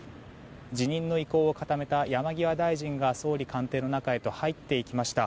辞任の意向を固めた山際大臣が総理官邸の中へと入っていきました。